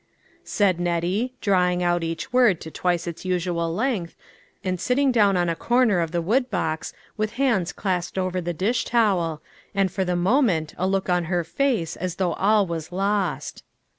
" said Nettie, drawing out each word to twice its usual length, and sitting down on a corner of the woodbox with hands clasped over the dish towel, and for the moment a look on her face as though all was lost.